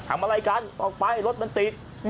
ทำอะไรกันออกไปรถมันติด